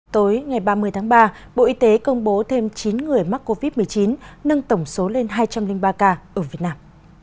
tối ngày ba mươi tháng ba bộ y tế công bố thêm chín người mắc covid một mươi chín nâng tổng số lên hai trăm linh ba ca ở việt nam